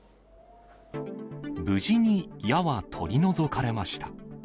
無事に矢は取り除かれました。